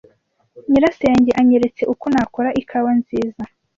Nyirasenge anyeretse uko nakora ikawa nziza.